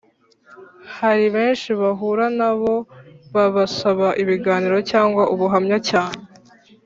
Hari benshi bahura na bo babasaba ibiganiro cyangwa ubuhamya cyane